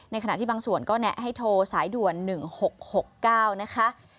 ขณะที่บางส่วนก็แนะให้โทรสายด่วน๑๖๖๙นะคะ